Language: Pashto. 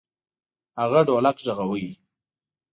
هغه ډولک غږاوه.